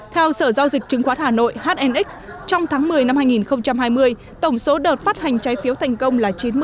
theo sở giao dịch trứng khoát hà nội hnx trong tháng một mươi hai nghìn hai mươi tổng số đợt phát hành trái phiếu thành công là chín mươi